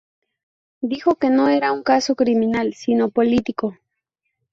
Dijo que no era un caso criminal, sino político.